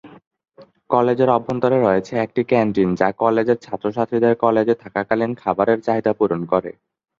কলেজের অভ্যন্তরে রয়েছে একটি ক্যান্টিন যা কলেজের ছাত্র-ছাত্রীদের কলেজে থাকাকালীন খাবারের চাহিদা পূরণ করে।